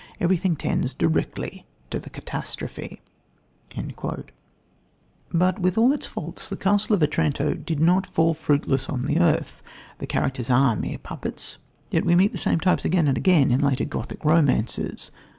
Everything tends directly to the catastrophe." But with all its faults The Castle of Otranto did not fall fruitless on the earth. The characters are mere puppets, yet we meet the same types again and again in later Gothic romances.